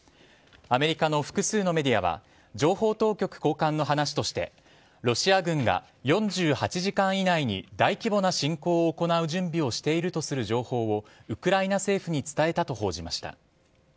アメリカの複数のメディアは情報当局高官の話としてロシア軍が４８時間以内に大規模な侵攻を行う準備をしているとする情報をウクライナ政府に伝えたと報じました。